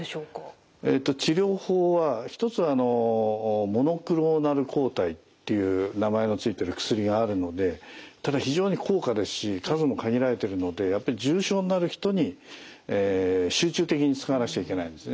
治療法は一つはモノクローナル抗体っていう名前の付いてる薬があるのでただ非常に高価ですし数も限られてるのでやっぱり重症になる人に集中的に使わなくちゃいけないんですね。